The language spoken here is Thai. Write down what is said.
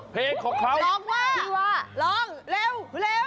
เพลงของเขาร้องว่าร้องเร็วเร็ว